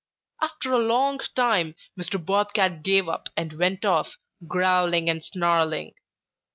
After a long time, Mr. Bob Cat gave up and went off, growling and snarling.